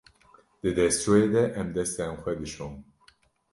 Di destşoyê de, em destên xwe dişon.